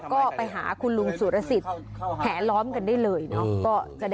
ก็ไปหาคุณลุงสุรสิทธิ์แหล้อมกันได้เลยเนาะ